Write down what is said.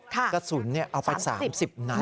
กระสุนเอาไป๓๐นัด